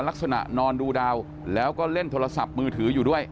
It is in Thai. นอนดูดาวแล้วก็เล่นโทรศัพท์มือถืออยู่ด้วย